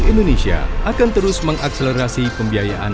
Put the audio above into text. indonesia akan terus mengakselerasi pembiayaan